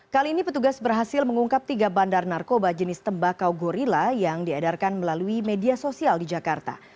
kali ini petugas berhasil mengungkap tiga bandar narkoba jenis tembakau gorilla yang diedarkan melalui media sosial di jakarta